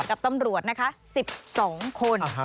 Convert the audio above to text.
กับตำรวจนะคะ๑๒คน